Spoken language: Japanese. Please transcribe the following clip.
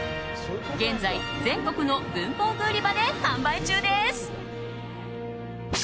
現在、全国の文房具売り場で販売中です。